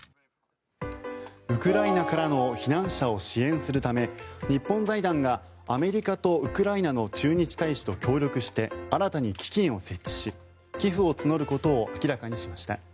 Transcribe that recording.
ウクライナからの避難者を支援するため日本財団がアメリカとウクライナの駐日大使と協力して新たに基金を設置し寄付を募ることを明らかにしました。